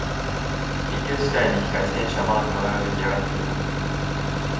緊急事態に控え選手はまだ体ができあがってない